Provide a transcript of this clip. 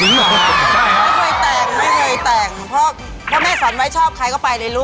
ไม่ให้แต่งเพราะถ้าแม่ฝันไว้ชอบใครก็ไปในรุ่น